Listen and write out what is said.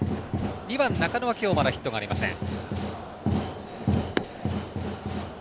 ２番、中野は今日まだヒットありません。